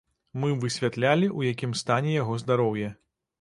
Мы высвятлялі, у якім стане яго здароўе.